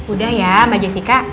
udah ya mbak jessica